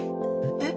えっ？